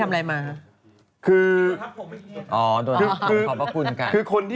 อ๋อตัวทัพผมขอบพระคุณกัน